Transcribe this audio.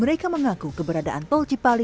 mereka mengaku keberadaan tol cipali